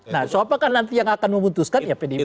nah siapa kan nanti yang akan memutuskan ya pdi perjuangan